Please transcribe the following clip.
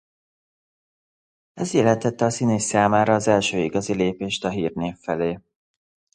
Ez jelentette a színész számára az első igazi lépést a hírnév felé.